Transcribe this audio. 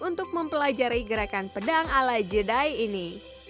untuk mempelajari gerakan pedang ala jeda ini